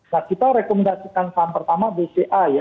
nah kita rekomendasikan saham pertama bca ya